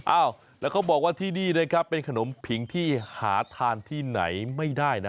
อ้าวแล้วเขาบอกว่าที่นี่นะครับเป็นขนมผิงที่หาทานที่ไหนไม่ได้นะ